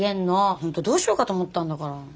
本当どうしようかと思ったんだから。